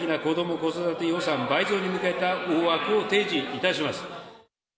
子育て予算倍増に向けた大枠を提示いたします。